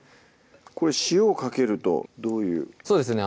これ塩をかけるとどういうそうですね